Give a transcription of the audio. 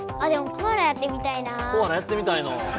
コアラやってみたいの。